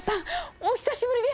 お久しぶりです！